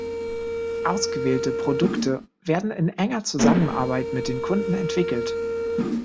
Ausgewählte Produkte werden in enger Zusammenarbeit mit den Kunden entwickelt.